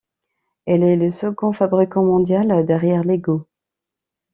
Elle est le second fabricant mondial derrière Lego.